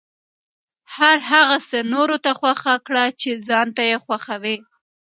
هر هغه څه نورو ته خوښ کړه چې ځان ته یې خوښوې.